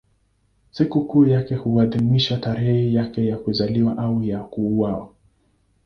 Sikukuu yake huadhimishwa tarehe yake ya kuzaliwa au ya kuuawa.